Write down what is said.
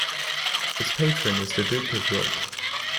Its Patron is the Duke of York.